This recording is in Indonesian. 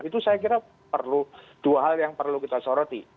itu saya kira perlu dua hal yang perlu kita soroti